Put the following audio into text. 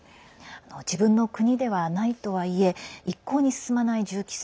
自分の国ではないとはいえ一向に進まない銃規制。